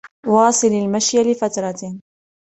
واصل المشي لفترة.